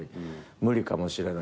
「無理かもしれない」